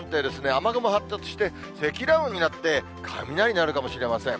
雨雲発達して、積乱雲になって、雷鳴るかもしれません。